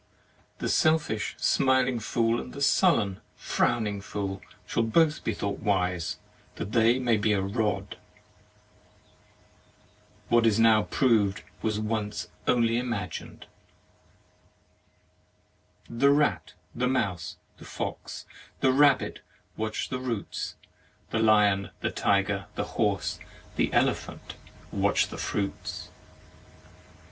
The selfish smiling fool and the sullen frowning fool shall be both thought wise that they may be a rod. What is now proved was once only imagined. The rat, the mouse, the fox, the rabbit watch the roots; the Hon, the tiger, the horse, the elephant watch the fruits.